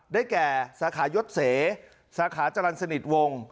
แก่สาขายศเสสาขาจรรย์สนิทวง